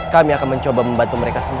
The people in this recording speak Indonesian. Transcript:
kami akan mencoba membantu mereka semua